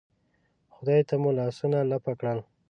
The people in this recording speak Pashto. خدای ته مو لاسونه لپه کړل.